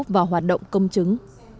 và hoạt động công chứng